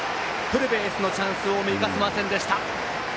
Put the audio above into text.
フルベースのチャンスを生かせませんでした。